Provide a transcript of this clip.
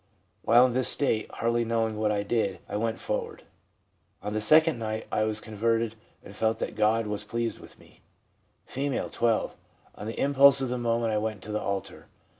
While in this state, hardly knowing what I did, I went forward. On the second night I was converted, and felt that God was pleased with me/ F., 12. 'On the impulse of the moment I went to the altar.